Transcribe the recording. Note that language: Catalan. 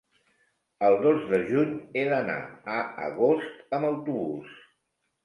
El dos de juny he d'anar a Agost amb autobús.